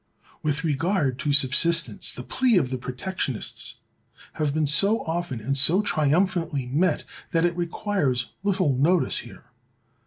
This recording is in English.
(361) With regard to subsistence, the plea of the Protectionists has been so often and so triumphantly met, that it requires little notice here.